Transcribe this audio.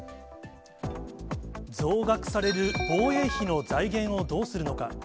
増額される防衛費の財源をどうするのか。